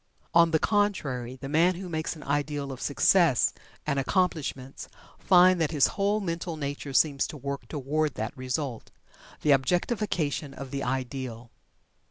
On the contrary, the man who makes an ideal of success and accomplishment finds that his whole mental nature seems to work toward that result the objectification of the ideal.